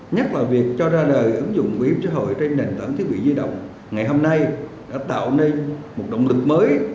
nhất là việc cho ra đời ứng dụng bảo hiểm xã hội trên nền tảng thiết bị di động ngày hôm nay đã tạo nên một động lực mới